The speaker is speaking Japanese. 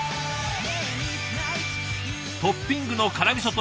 トッピングの辛みそと